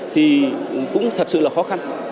thì cũng thật sự là khó khăn